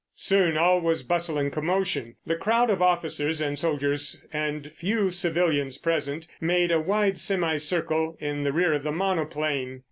Soon all was bustle and commotion. The crowd of officers and soldiers and few civilians present made a wide semi circle in the rear of the monoplane.